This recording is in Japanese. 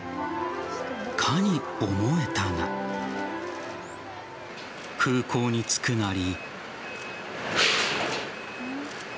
かに思えたが空港に着くなり。